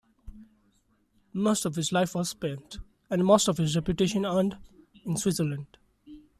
Most of his life was spent, and most of his reputation earned, in Switzerland.